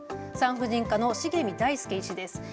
産婦人科の重見大介医師です。